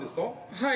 はい。